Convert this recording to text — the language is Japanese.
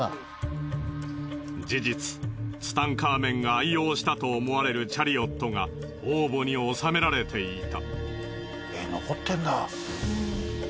事実ツタンカーメンが愛用したと思われるチャリオットが王墓に納められていた。